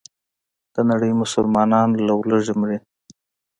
دنړۍ مسلمانان له ولږې مري.